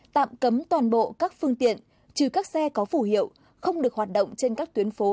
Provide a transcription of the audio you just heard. tạm cấm toàn bộ các phương tiện trừ các xe có phủ hiệu không được hoạt động trên các tuyến phố